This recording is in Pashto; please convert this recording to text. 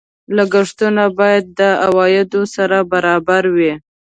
لګښتونه باید د عوایدو سره برابر وي.